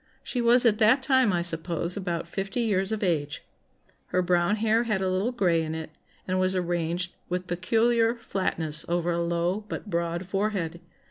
She was at that time, I suppose, about fifty years of age; her brown hair had a little grey in it, and was arranged with peculiar flatness over a low but broad forehead.